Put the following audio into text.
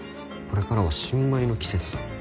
「これからは新米の季節だ」